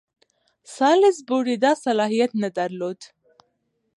سالیزبوري دا صلاحیت نه درلود.